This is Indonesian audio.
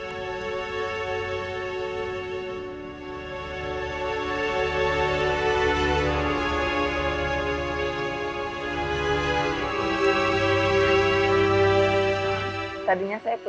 sebelumnya anaknya sudah selesai berjaya